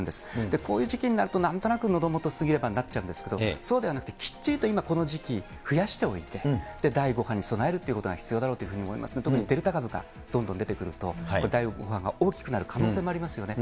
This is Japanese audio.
こういう時期になるとなんとなくのど元過ぎればになっちゃうんですけど、そうではなくてきっちりと今この時期増やしておいて、第５波に備えるということが必要だろうというふうに思いますので、特にデルタ株がどんどん出てくると、これ第５波が大きくなる可能性もありますよね。